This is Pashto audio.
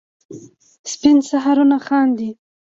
سپین سهارونه خاندي